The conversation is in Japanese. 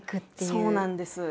そうなんです。